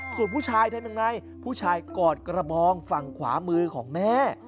ส่วนผู้ชายทำยังไงผู้ชายกอดกระบองฝั่งขวามือของแม่